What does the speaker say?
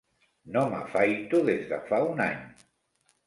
No m'afaito des de fa un any.